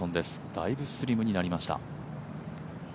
だいぶスリムになりました。